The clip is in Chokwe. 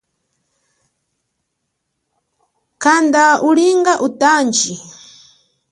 Kanda ulinga utanji.